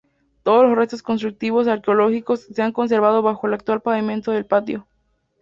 Todos los restos constructivos arqueológicos se han conservado bajo el actual pavimento del patio.